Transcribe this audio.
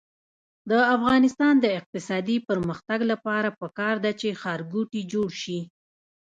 د افغانستان د اقتصادي پرمختګ لپاره پکار ده چې ښارګوټي جوړ شي.